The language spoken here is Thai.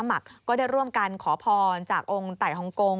ให้ออกมาด้วยความปลอดภัย